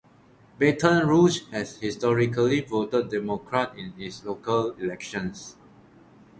Baton Rouge has historically voted democrat in its local elections.